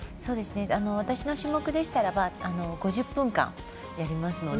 私の種目でしたら５０分間やりますので。